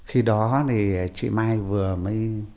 khi đó thì chị mai vừa mới